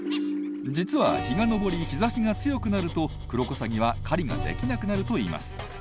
実は日が昇り日ざしが強くなるとクロコサギは狩りができなくなるといいます。